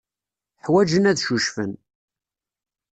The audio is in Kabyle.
Ḥwajen ad ccucfen.